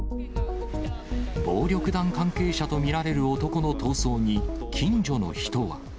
暴力団関係者と見られる男の逃走に近所の人は。